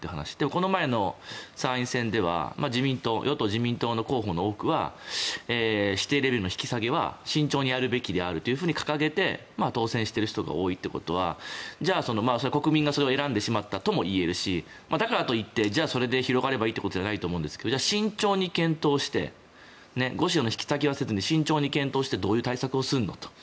この前の参院選では与党・自民党の候補の多くは指定レベルの引き下げは慎重にやるべきであると掲げて当選してる人が多いということはじゃあ国民がそれを選んでしまったともいえるしだからと言ってそれで広がればいいということではないと思いますが慎重に検討して５種への引き下げはせずに慎重に検討してどういう対策をするのと。